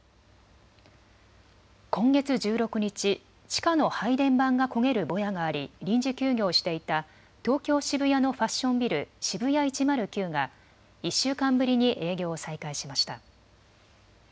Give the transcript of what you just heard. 今月１６日、地下の配電盤が焦げるぼやがあり臨時休業していた東京渋谷のファッションビル、ＳＨＩＢＵＹＡ１０９が１週間ぶりに営業を再開しました。